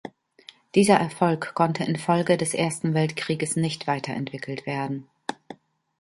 Dieser Erfolg konnte infolge des Ersten Weltkrieges nicht weiterentwickelt werden.